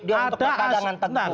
untuk kepadangan teguh